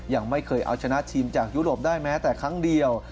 ยังไม่เคยเอาชนะทีมจากยุโรปได้แม้แต่ครั้งเดียว